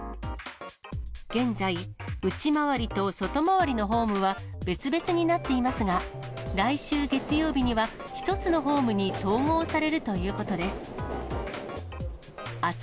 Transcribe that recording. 現在、内回りと外回りのホームは別々になっていますが、来週月曜日には、１つのホームに統合されるということです。